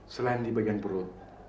selain di bagian perut